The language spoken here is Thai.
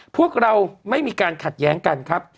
พวกเราไม่มีการขัดแย้งกันครับ